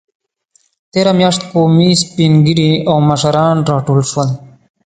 تېره میاشت قومي سپینږیري او مشران راټول شول.